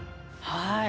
はい。